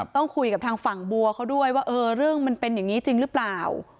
ต้องคุยกับทางฝั่งบัวเขาด้วยว่าเออเรื่องมันเป็นอย่างนี้จริงหรือเปล่า